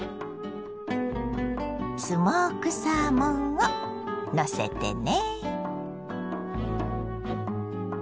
スモークサーモンをのせてね。